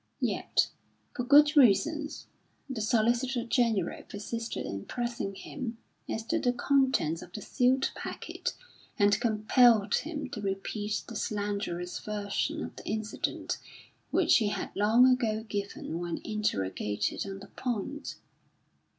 Yet, for good reasons, the Solicitor General persisted in pressing him as to the contents of the sealed packet and compelled him to repeat the slanderous version of the incident which he had long ago given when interrogated on the point.